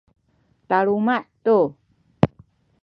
taluma’ tu